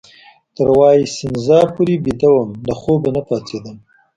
تر وایسینزا پورې بیده وم، له خوبه نه پاڅېدم.